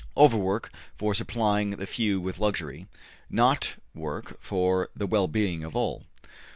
Overwork for supplying the few with luxury not work for the well being of all.